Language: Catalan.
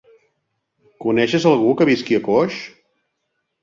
Coneixes algú que visqui a Coix?